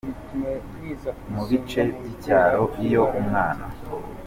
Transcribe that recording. Mu bice by’icyaro, iyo umwana